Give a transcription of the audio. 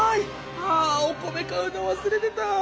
あお米買うのわすれてた。